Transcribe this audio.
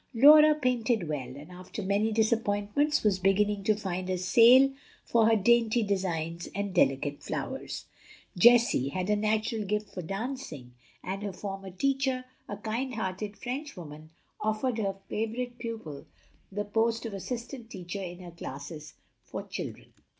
Laura painted well, and after many disappointments was beginning to find a sale for her dainty designs and delicate flowers. Jessie had a natural gift for dancing; and her former teacher, a kind hearted Frenchwoman, offered her favorite pupil the post of assistant teacher in her classes for children.